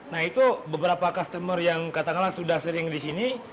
nah itu beberapa customer yang katakanlah sudah sering di sini